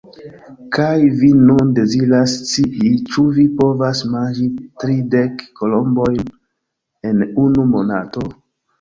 Kaj vi nun deziras scii ĉu vi povas manĝi tridek kolombojn en unu monato?